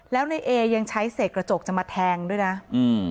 แล้วในเอยังใช้เสกกระจกจะมาแทงด้วยนะอืม